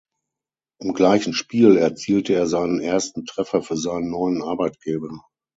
Im gleichen Spiel erzielte er seinen ersten Treffer für seinen neuen Arbeitgeber.